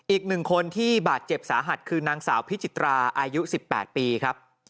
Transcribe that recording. อีกหนึ่งคนที่บาดเจ็บสาหัสคือนางสาวพิจิตราอายุ๑๘ปีครับ